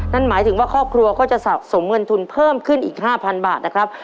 นั่นหมายถึงว่าครอบครัวก็จะสะสมเงินทุนเพิ่มขึ้นอีก๕๐๐บาทนะครับ